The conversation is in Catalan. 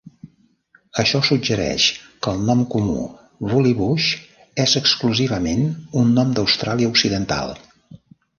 Això suggereix que el nom comú "woollybush" és exclusivament un nom d'Austràlia Occidental.